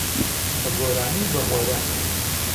بە گۆرانی و بە هۆرە